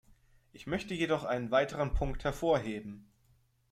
Ich möchte jedoch einen weiteren Punkt hervorheben.